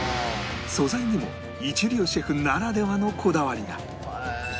素材にも一流シェフならではのこだわりが